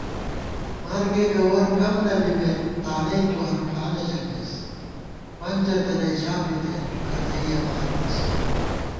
مرگےگوَر کم نَبِمېت تانَئی تُو ہرٹھانہ ژَمېس * پنجہ تلَئ ژا بِتېن تُو کتّیَہ مارِتِسہ